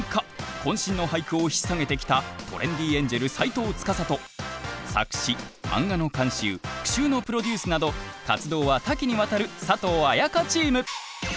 こん身の俳句をひっ提げてきたトレンディエンジェル斎藤司と作詞漫画の監修句集のプロデュースなど活動は多岐にわたる佐藤文香チーム。